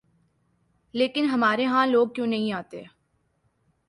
لیکن ہمارے ہاں لوگ کیوں نہیں آتے؟